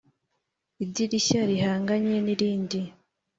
idirishya rihanganye n’irindi